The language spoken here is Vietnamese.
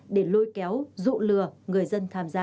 để lôi kéo dụ lừa người dân tham gia